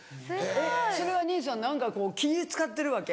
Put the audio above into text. それは兄さん何か気ぃ使ってるわけ？